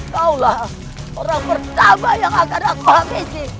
kaulah orang pertama yang akan aku habisi